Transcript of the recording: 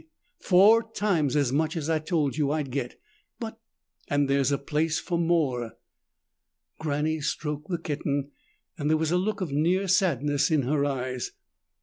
Four times as much as I told you I'd get." "But " "And there's a place for more." Granny stroked the kitten and there was a look of near sadness in her eyes.